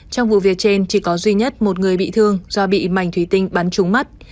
trong vụ việc trên chỉ có duy nhất một người bị thương do bị mảnh thúy tinh bắn trúng mắt